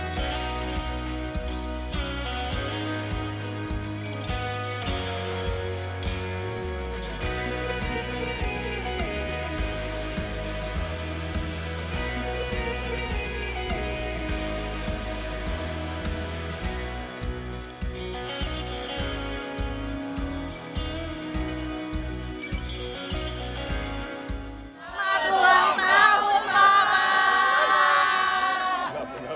selamat ulang tahun papa